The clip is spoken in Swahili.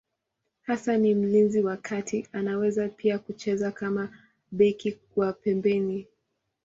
Hasa ni mlinzi wa kati, anaweza pia kucheza kama beki wa pembeni.